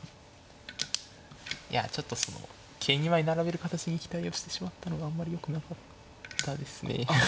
いやちょっとその桂２枚並べる形に期待をしてしまったのがあんまりよくなかったですね。